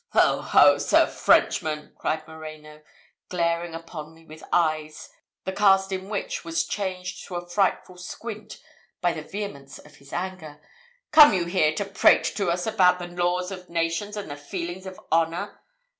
"Ho! ho! Sir Frenchman!" cried Moreno, glaring upon me with eyes, the cast in which was changed to a frightful squint by the vehemence of his anger "come you here to prate to us about the laws of nations, and the feelings of honour?